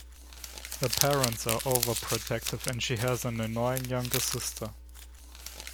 Her parents are overprotective, and she has an annoying younger sister.